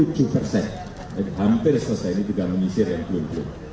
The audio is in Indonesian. jadi hampir selesai ini tidak menisir yang belum belum